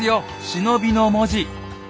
「忍」の文字！